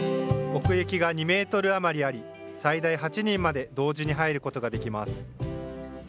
奥行きが２メートル余りあり、最大８人まで同時に入ることができます。